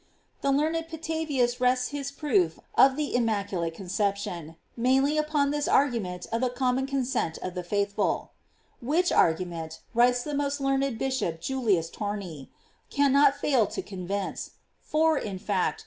The learned Petavius rests his proof of the immaculate con ception mainly upon this argument of the com mon consent of the faithful. J Which argument, writes the most learned Bishop Julius Torni, cannot fail to convince; for, in fact, if nothing * De Prrer. Virg. q. 6, a.